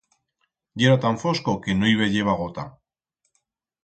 Yera tan fosco que no i veyeba gota.